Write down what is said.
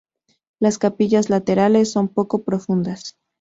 Las capillas laterales son poco profundas.